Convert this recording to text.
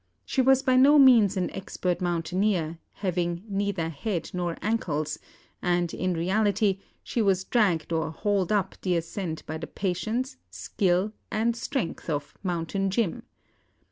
She was by no means an expert mountaineer, having "neither head nor ankles," and, in reality, she was dragged or hauled up the ascent by the patience, skill, and strength of "Mountain Jim."